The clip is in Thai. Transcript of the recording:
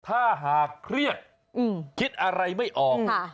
ถ้าหากเครียดคิดอะไรไม่ออก